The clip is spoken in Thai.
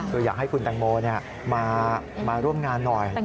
คืออยากให้คุณแตงโมมาร่วมงานหน่อย